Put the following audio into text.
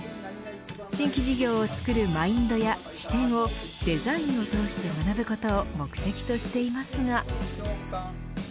新規事業を作るマインドや視点をデザインを通して学ぶことを目的としていますが。